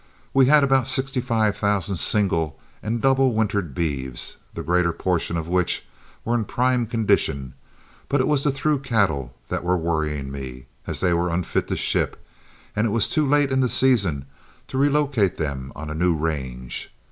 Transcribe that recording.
We had about sixty five thousand single and double wintered beeves, the greater portion of which were in prime condition; but it was the through cattle that were worrying me, as they were unfit to ship and it was too late in the season to relocate them on a new range.